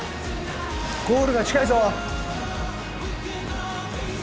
ゴールが近いぞ！